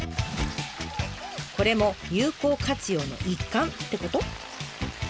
これも有効活用の一環ってこと？